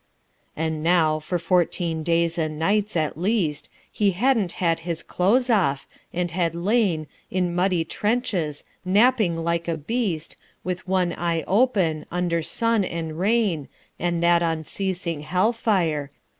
And now for fourteen days and nights, at least, He hadn't had his clothes off, and had lain In muddy trenches, napping like a beast With one eye open, under sun and rain And that unceasing hell fire....